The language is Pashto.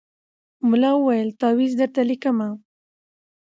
ملا وویل تعویذ درته لیکمه